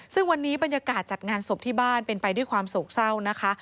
ซึ่งวันนี้บรรยากาศจัดงานศพที่บ้านเป็นไปด้วยความโศกเศร้านะคะ